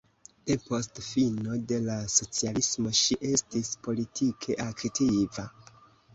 Depost fino de la socialismo ŝi estis politike aktiva.